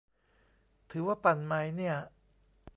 ถือว่าปั่นไหมเนี่ย ?